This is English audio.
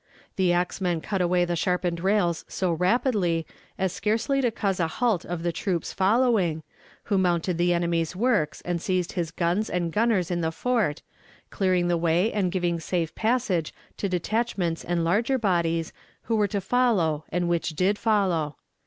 The axemen cut away the sharpened rails so rapidly as scarcely to cause a halt of the troops following, who mounted the enemy's works and seized his guns and gunners in the fort, clearing the way and giving safe passage to detachments and larger bodies which were to follow and which did follow.